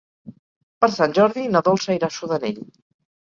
Per Sant Jordi na Dolça irà a Sudanell.